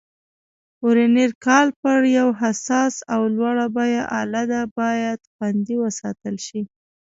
ورنیر کالیپر یو حساس او لوړه بیه آله ده، باید خوندي وساتل شي.